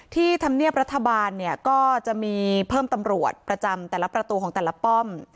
ธรรมเนียบรัฐบาลเนี่ยก็จะมีเพิ่มตำรวจประจำแต่ละประตูของแต่ละป้อม